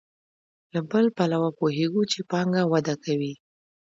له بل پلوه پوهېږو چې پانګه وده کوي